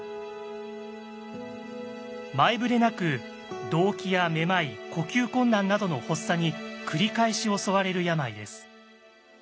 前触れなく動悸やめまい呼吸困難などの発作に繰り返し襲われる病です。